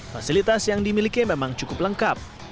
fasilitas yang dimiliki memang cukup lengkap